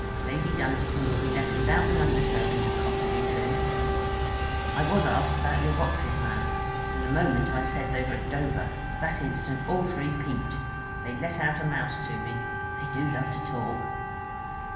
Lady Dunstane will be left without an under servant at Copsley soon. I was asked about your boxes, ma'am, and the moment I said they were at Dover, that instant all three peeped. They let out a mouse to me. They do love to talk!'